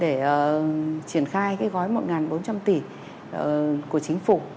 để triển khai cái gói một bốn trăm linh tỷ của chính phủ